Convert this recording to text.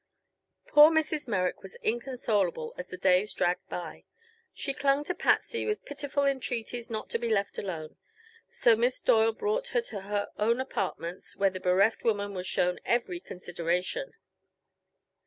Poor Mrs. Merrick was inconsolable as the days dragged by. She clung to Patsy with pitiful entreaties not to be left alone; so Miss Doyle brought her to her own apartments, where the bereft woman was shown every consideration.